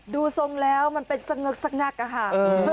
ดูทรงแล้วมันเป็นสังเงิกสักหนักอะค่ะ